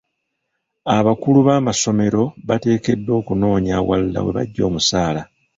Abakulu b'amasomero bateekeddwa okunoonya awalala we baggya omusaala.